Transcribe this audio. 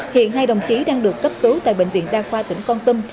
hiện hai đồng chí đang được cấp cứu tại bệnh viện đa khoa tỉnh con tâm